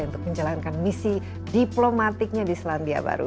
untuk menjalankan misi diplomatiknya di selandia baru